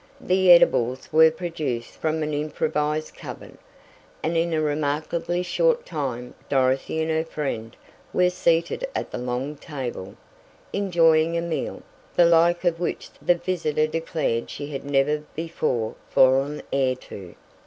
The edibles were produced from an improvised cupboard, and in a remarkably short time Dorothy and her friend were seated at the long table, enjoying a meal, the like of which the visitor declared she had never before fallen heir to.